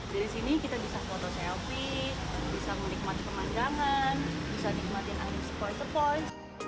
dari sini kita bisa foto selfie bisa menikmati pemandangan bisa nikmatin angin sepoi sepoi